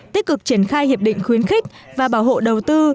tích cực triển khai hiệp định khuyến khích và bảo hộ đầu tư